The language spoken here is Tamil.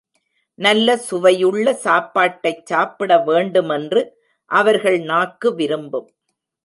நல்ல சுவையுள்ள சாப்பாட்டைச் சாப்பிட வேண்டுமென்று அவர்கள் நாக்கு விரும்பும்.